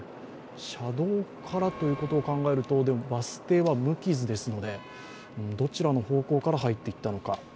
車道からということを考えると、バス停は無傷ですので、どちらの方向から入っていったのか。